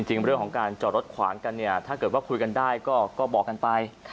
เรื่องของการจอดรถขวางกันเนี่ยถ้าเกิดว่าคุยกันได้ก็บอกกันไป